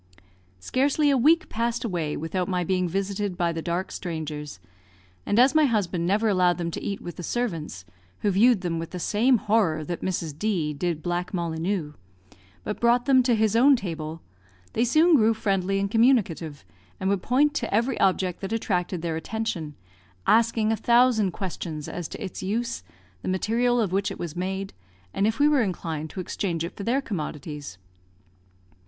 Scarcely a week passed away without my being visited by the dark strangers; and as my husband never allowed them to eat with the servants (who viewed them with the same horror that Mrs. D did black Mollineux), but brought them to his own table, they soon grew friendly and communicative, and would point to every object that attracted their attention, asking a thousand questions as to its use, the material of which it was made, and if we were inclined to exchange it for their commodities?